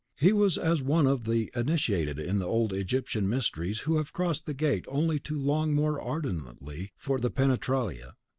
He was as one of the initiated in the old Egyptian mysteries who have crossed the gate only to long more ardently for the penetralia.